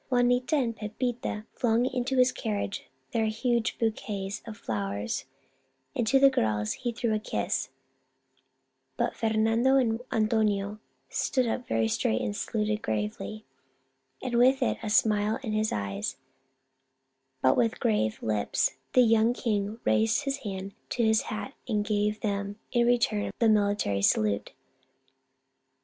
Juanita and Pepita flung into his carriage their huge bouquets of flowers and to the girls he threw a kiss ; but Fernando and Antonio stood up very straight and saluted gravely, and with a smile in his eyes, but with grave lips, the young king raised his hand to his hat and gave them in return the military salute.